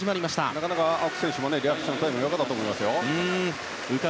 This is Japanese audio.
なかなか青木選手もリアクションタイムが良かったです。